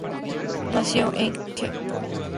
Nació el en Skopje.